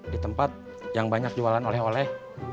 di tempat yang banyak jualan oleh oleh